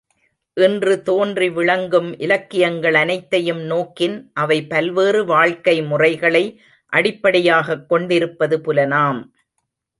இன்று தோன்றி விளங்கும் இலக்கியங்கள் அனைத்தையும் நோக்கின், அவை பல்வேறு வாழ்க்கை முறைகளை அடிப்படையாகக் கொண்டிருப்பது புலனாம்.